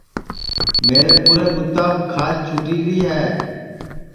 میرے پُورے بُوتاپ کھاج چُھٹیری ہے